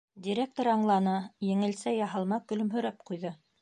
Директор аңланы, еңелсә яһалма көлөмһөрәп ҡуйҙы.